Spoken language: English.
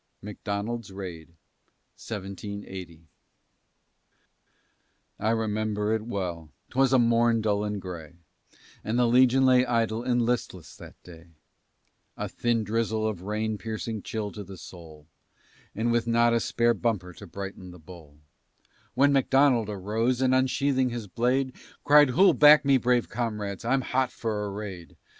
MACDONALD'S RAID I remember it well; 'twas a morn dull and gray, And the legion lay idle and listless that day, A thin drizzle of rain piercing chill to the soul, And with not a spare bumper to brighten the bowl, When Macdonald arose, and unsheathing his blade, Cried, "Who'll back me, brave comrades? I'm hot for a raid.